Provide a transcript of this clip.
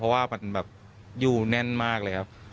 เพราะว่ามันแบบอยู่แน่นมากเลยครับ